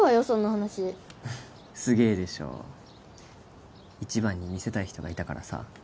そんな話すげえでしょ一番に見せたい人がいたからさ